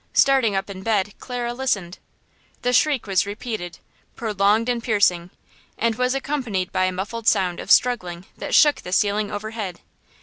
Starting up in bed, Clara listened. The shriek was repeated–prolonged and piercing–and was accompanied by a muffled sound of struggling that shook the ceiling overhead.